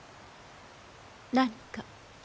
何か？